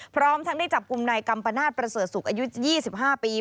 พร้อมทั้งได้จับกลุ่มนายกัมปนาศประเสริฐศุกร์อายุ๒๕ปี